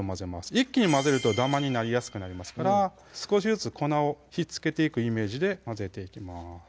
一気に混ぜるとダマになりやすくなりますから少しずつ粉をひっつけていくイメージで混ぜていきます